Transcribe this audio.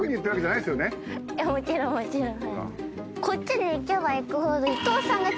もちろんもちろん。